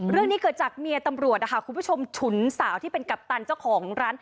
เรื่องนี้เกิดจากเมียตำรวจนะคะคุณผู้ชมฉุนสาวที่เป็นกัปตันเจ้าของร้าน